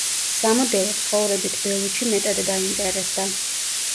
სამოდელო ცხოვრებით ბელუჩი მეტად დაინტერესდა.